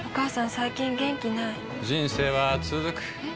最近元気ない人生はつづくえ？